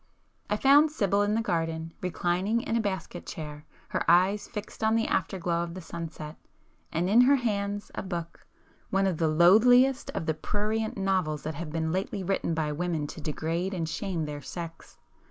I found Sibyl in the garden, reclining in a basket chair, her eyes fixed on the after glow of the sunset, and in her hands a book,—one of the loathliest of the prurient novels that have been lately written by women to degrade and shame their sex.